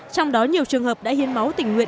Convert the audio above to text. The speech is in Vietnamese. trong đó nhiều trường hợp đã hiến máu tình nguyện